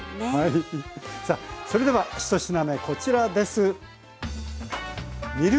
さあそれでは１品目こちらです。